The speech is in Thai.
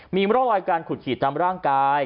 มีร่องรอยการขุดขีดตามร่างกาย